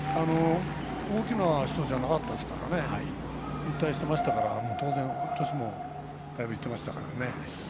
大きな人ではなかったですからね引退していましたから当然、年もだいぶいっていましたからね。